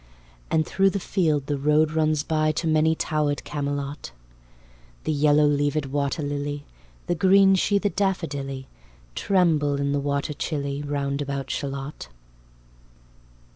And thro' the field the road runs by To manytowered Camelot. The yellowleavèd waterlily, The greensheathèd daffodilly, Tremble in the water chilly, Round about Shalott.